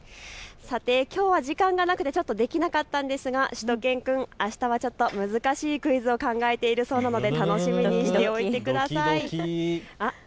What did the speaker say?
きょうは時間がなくてできなかったんですが、あしたは難しいクイズを考えているそうなので楽しみにしておいてください。